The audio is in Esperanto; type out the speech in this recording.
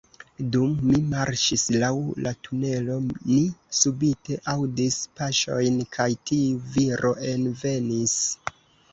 Dum ni marŝis laŭ la tunelo, ni subite aŭdis paŝojn, kaj tiu viro envenis.